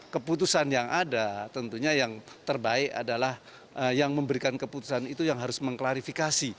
keputusan yang ada tentunya yang terbaik adalah yang memberikan keputusan itu yang harus mengklarifikasi